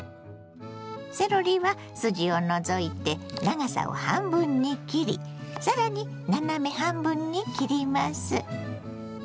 セロリは筋を除いて長さを半分に切りさらに斜め半分に切ります。